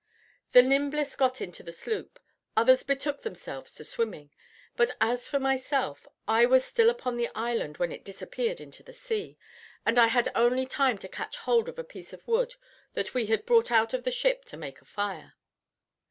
The nimblest got into the sloop, others betook themselves to swimming; but as for myself, I was still upon the island when it disappeared into the sea, and I had only time to catch hold of a piece of wood that we had brought out of the ship to make a fire.